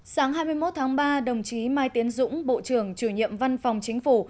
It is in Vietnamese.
sáng hai mươi một tháng ba đồng chí mai tiến dũng bộ trưởng chủ nhiệm văn phòng chính phủ